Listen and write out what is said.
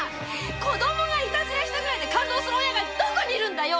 子供がイタズラしたくらいで勘当する親がどこにいるんだい？